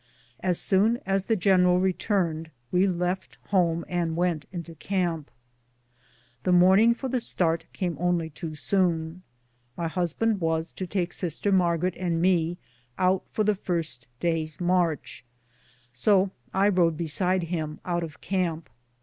As soon as the general returned we left home and went into camp. The morning for the start came only too soon. My husband was to take Sister Margaret and me out for the first day's march, so I rode beside him out of camp.